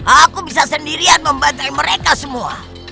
aku bisa sendirian membantah mereka semua